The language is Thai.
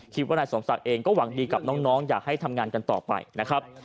คิดว่านายสมศักดิ์เองก็หวังดีกับน้องอยากให้ทำงานกันต่อไปนะครับ